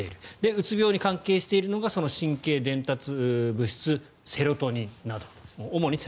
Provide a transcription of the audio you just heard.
うつ病に関係しているのがその神経伝達物質主にセロトニンなど。